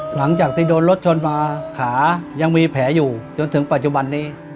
หลังจากที่โดนรถชนมาขายังมีแผลอยู่จนถึงปัจจุบันนี้